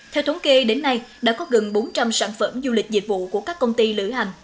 theo thống kê đến nay đã có gần bốn trăm linh sản phẩm du lịch dịch vụ của các công ty lửa hành